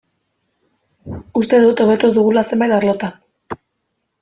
Uste dut hobetu dugula zenbait arlotan.